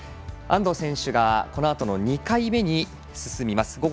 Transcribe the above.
安藤選手がこのあとの２回目に進みます。